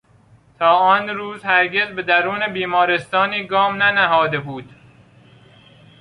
تا آن روز هرگز به درون بیمارستانی گام ننهاده بود.